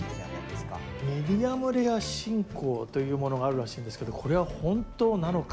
ミディアムレア信仰というものがあるらしいんですけどこれは本当なのか？